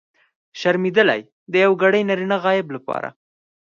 شرمېدلی! د یوګړي نرينه غایب لپاره.